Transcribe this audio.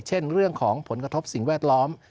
เช่นเรื่องของผลกระทบสิ่งแวดล้อม